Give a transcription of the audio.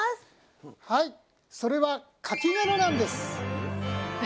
はいそれはかき殻なんです。